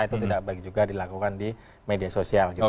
itu tidak baik juga dilakukan di media sosial gitu